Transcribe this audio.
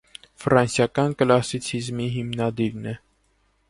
Ֆրանսիական կլասիցիզմի հիմնադիրն է։